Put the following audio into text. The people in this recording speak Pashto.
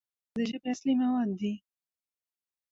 ګویا نومونه د ژبي اصلي مواد دي.